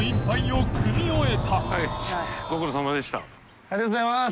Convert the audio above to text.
淵▲蕁ありがとうございます。